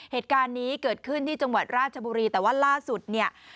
เหตุการณ์นี้เกิดขึ้นที่จังหวัดราชบุรีแต่ว่าล่าสุดเนี่ย